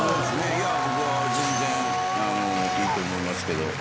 僕は全然いいと思いますけど。